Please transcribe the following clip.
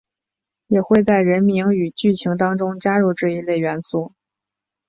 也会在人名与剧情当中加入这一类元素。